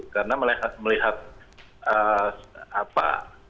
karena melihat melihat apa